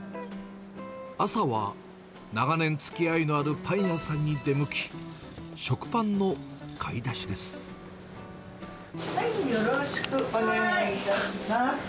朝は、長年つきあいのあるパン屋さんに出向き、はい、よろしくお願いいたします。